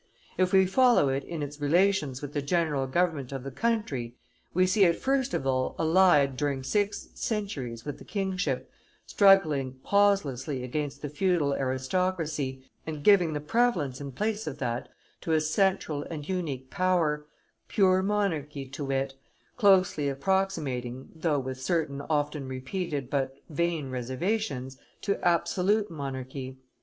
If we follow it in its relations with the general government of the country, we see it first of all allied during six centuries with the kingship, struggling pauselessly against the feudal aristocracy, and giving the prevalence in place of that to a central and unique power, pure monarchy to wit, closely approximating, though with certain often repeated but vain reservations, to absolute monarchy.